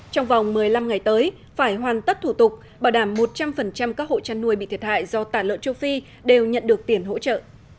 trong vòng một mươi năm ngày tới phải hoàn tất thủ tục bảo đảm một trăm linh các hộ chăn nuôi bị thiệt hại do tả lợn châu phi đều nhận được tiền hỗ trợ